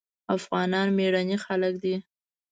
افغانان مېړني خلک دي.